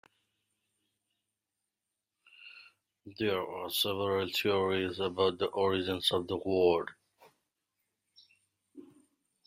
There are several theories about the origins of the word.